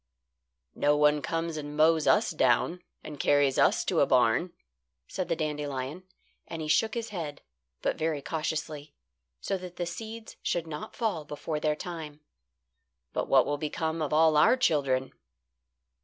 "No one comes and mows us down and carries us to a barn," said the dandelion, and he shook his head, but very cautiously, so that the seeds should not fall before their time. "But what will become of all our children?"